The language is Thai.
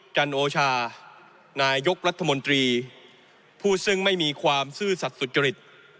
จันโอชานายกรัฐมนตรีผู้ซึ่งไม่มีความซื่อสัตว์สุจริต